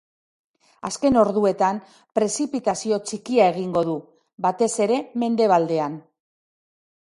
Azken orduetan, prezipitazio txikia egingo du, batez ere mendebaldean.